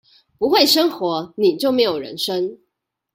不會生活，你就沒有人生